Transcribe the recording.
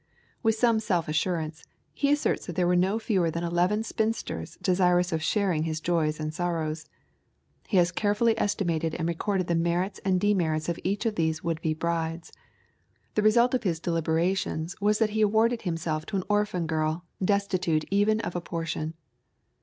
With some self assurance he asserts that there were no fewer than eleven spinsters desirous of sharing his joys and sorrows. He has carefully estimated and recorded the merits and demerits of each of these would be brides. The result of his deliberations was that he awarded himself to an orphan girl, destitute even of a portion.